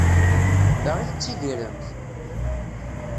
Da i tettidiremt?